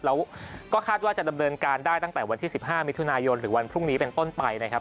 แล้วก็คาดว่าจะดำเนินการได้ตั้งแต่วันที่๑๕มิถุนายนหรือวันพรุ่งนี้เป็นต้นไปนะครับ